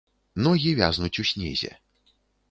Ногі вязнуць у снезе.